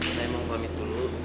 saya mau pamit dulu